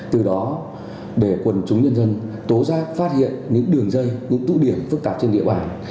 từ đó để quần chúng nhân dân tố giác phát hiện những đường dây những tụ điểm phức tạp trên địa bàn